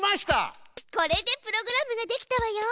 これでプログラムができたわよ。